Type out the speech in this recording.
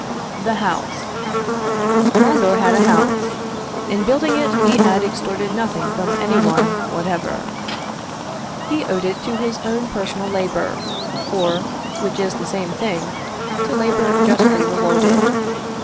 The House. Mondor had a house. In building it, he had extorted nothing from any one whatever. He owed it to his own personal labour, or, which is the same thing, to labour justly rewarded.